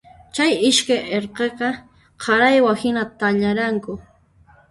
Chay iskay irqiqa qaraywa hina thallaranku.